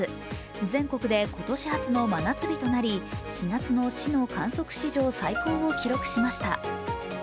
全国で今年初の真夏日となり４月の市の観測史上最高を記録しました。